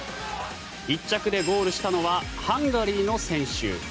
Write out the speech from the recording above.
１着でゴールしたのはハンガリーの選手。